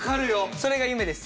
それが夢です。